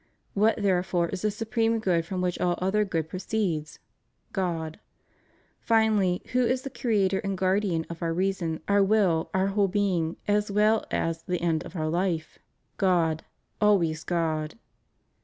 What, therefore, is the supreme good from which all other good proceeds? God. Finally, who is the creator and guardian of oiu" reason, our will, our whole being, as well as the end of our life? God; always God.